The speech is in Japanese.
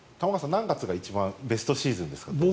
何月が一番、ベストシーズンですか？